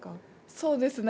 そうですね。